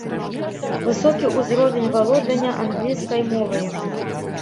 Высокі ўзровень валодання англійскай моваю.